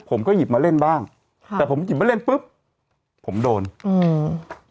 ผมก็หยิบมาเล่นบ้างค่ะแต่ผมหยิบมาเล่นปุ๊บผมโดนอืม